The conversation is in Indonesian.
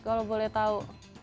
kalau boleh tahu